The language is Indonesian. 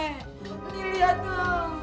nih lihat tuh